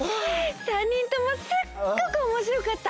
３人ともすっごくおもしろかった！